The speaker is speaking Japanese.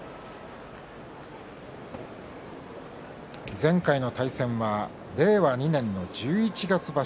前回の対戦は令和２年の十一月場所。